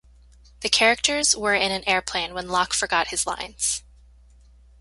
The characters were in an airplane when Locke forget his lines.